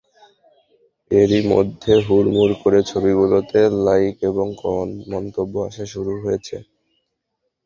এরই মধ্যে হুড়মুড় করে ছবিগুলোতে লাইক এবং মন্তব্য আসা শুরু হয়েছে।